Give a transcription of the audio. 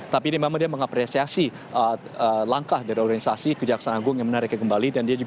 tapi ini memang dia mengapresiasi langkah dari organisasi kejaksaan agung yang menarik kembali